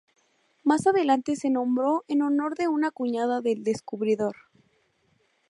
Más adelante se nombró en honor de una cuñada del descubridor.